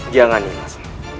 jangan nih mas